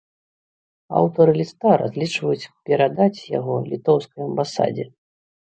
Аўтары ліста разлічваюць перадаць яго літоўскай амбасадзе.